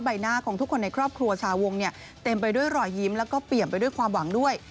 ใบหน้าของทุกคนในครอบครัวชาวงเนี่ยเต็มไปด้วยรอยยิ้มแล้วก็เปลี่ยนไปด้วยความหวังด้วย